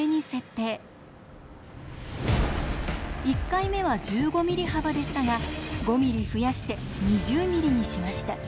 １回目は１５ｍｍ幅でしたが５ｍｍ増やして２０ｍｍにしました。